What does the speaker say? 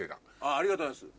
ありがとうございます